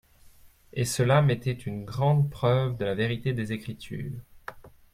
Et celà m'était une grande preuve de la vérité des Écritures.